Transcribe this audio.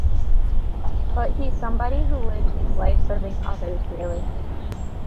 But he's somebody who lived his life serving others, really.